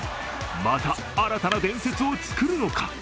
また新たな伝説を作るのか。